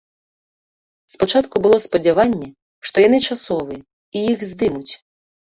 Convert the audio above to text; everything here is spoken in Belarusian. Спачатку было спадзяванне, што яны часовыя, і іх здымуць.